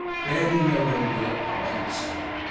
Bear me no ill will at parting, sir.